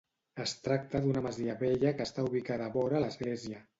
Es tracta d'una masia vella que està ubicada vora l'església.